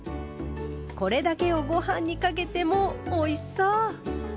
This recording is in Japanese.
これだけをごはんにかけてもおいしそう！